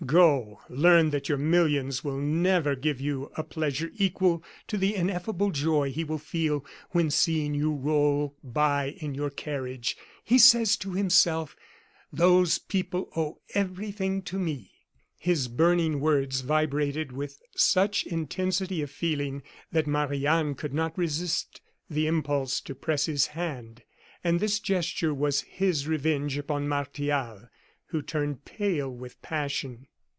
Go; learn that your millions will never give you a pleasure equal to the ineffable joy he will feel, when seeing you roll by in your carriage, he says to himself: 'Those people owe everything to me!'" His burning words vibrated with such intensity of feeling that Marie Anne could not resist the impulse to press his hand; and this gesture was his revenge upon Martial, who turned pale with passion.